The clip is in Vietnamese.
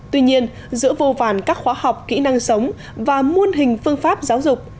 tuy nhiên giữa vô vàn các khóa học kỹ năng sống và muôn hình phương pháp giáo dục